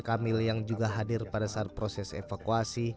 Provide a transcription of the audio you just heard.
kamil yang juga hadir pada saat proses evakuasi